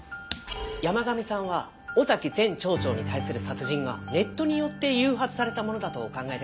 「山神さんは尾崎前町長に対する殺人がネットによって誘発されたものだとお考えですか？」